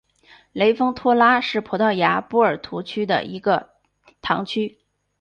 雷丰托拉是葡萄牙波尔图区的一个堂区。